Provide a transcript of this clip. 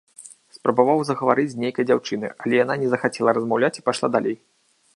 Спрабаваў загаварыць з нейкай дзяўчынай, але яна не захацела размаўляць і пайшла далей.